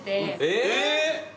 えっ！